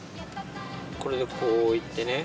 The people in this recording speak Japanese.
これでこう行ってね。